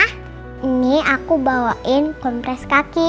ah ini aku bawain kompres kaki